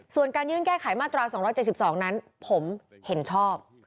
ส่วนการยื่นแก้ไขมาตรา๒๗๒นั้นผมเห็นชอบ